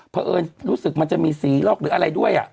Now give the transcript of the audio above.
เพราะเอิญรู้สึกมันจะมีสีล็อกหรืออะไรด้วย